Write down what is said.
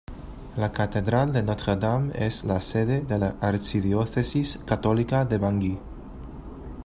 La catedral de Notre-Dame es la sede de la archidiócesis católica de Bangui.